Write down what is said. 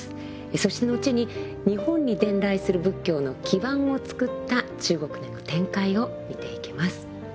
そして後に日本に伝来する仏教の基盤をつくった中国での展開を見ていきます。